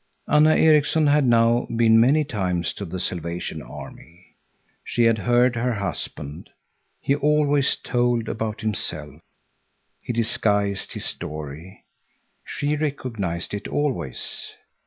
Anna Erikson had now been many times to the Salvation Army. She had heard her husband. He always told about himself. He disguised his story. She recognized it always.